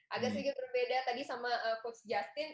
agak sedikit berbeda tadi sama coach justin